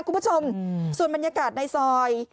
คุณผู้ชมส่วนบรรยากาศในซอย